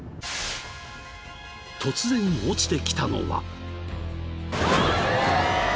［突然落ちてきたのは］